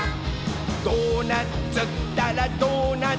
「ドーナツったらドーナツ！」